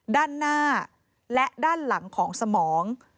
ด้านหน้าและด้านหลังของสมอง